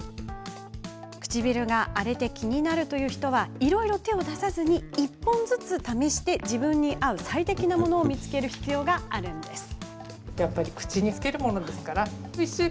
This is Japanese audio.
唇が荒れて気になる人はいろいろ手を出さずに１本ずつ試して自分に合う最適なものを見つける必要があるんです。